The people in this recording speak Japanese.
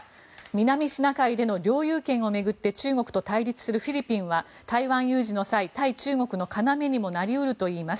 南シナ海での領有権を巡って中国と対立するフィリピンは台湾有事の際、対中国の要にもなり得るといいます。